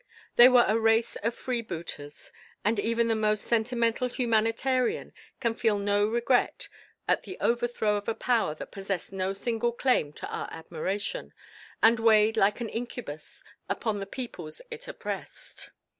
They were a race of freebooters; and even the most sentimental humanitarian can feel no regret at the overthrow of a power that possessed no single claim to our admiration, and weighed like an incubus upon the peoples it oppressed.